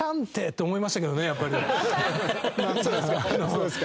そうですか。